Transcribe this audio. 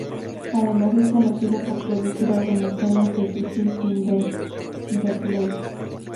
Además es conocido por producir algunos temas de Justin Timberlake.